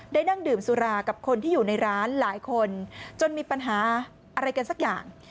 นั่งดื่มสุรากับคนที่อยู่ในร้านหลายคนจนมีปัญหาอะไรกันสักอย่าง